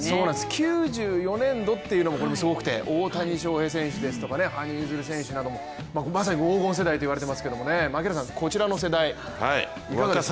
９４年度もすごくて大谷翔平選手や羽生結弦選手も黄金世代と言われていますけれども槙原さん、こちらの世代いかがですか？